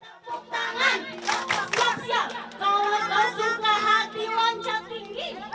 tepuk tangan jatuh saksa kalau kau suka hati loncat tinggi